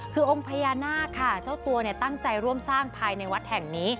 คือองค์พญานาคค่ะเจ้าตัวตั้งใจร่วมสร้างภายในวัดแห่งนี้